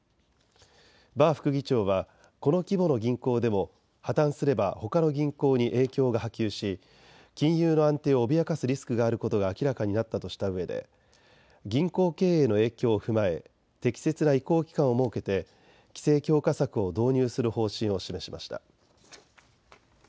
バー副議長はこの規模の銀行でも破綻すればほかの銀行に影響が波及し金融の安定を脅かすリスクがあることが明らかになったとしたうえで銀行経営への影響を踏まえ適切な移行期間を設けて規制強化策を導入する方針を示しました。